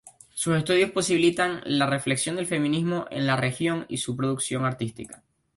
Sus estudios posibilitan la reflexión del feminismo en la región y su producción artística.